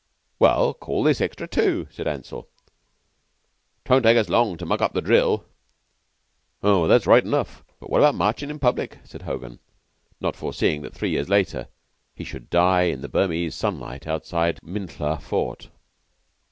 "Well, call this extra tu," said Ansell. "'Twon't take us long to mug up the drill." "Oh, that's right enough, but what about marchin' in public?" said Hogan, not foreseeing that three years later he should die in the Burmese sunlight outside Minhla Fort.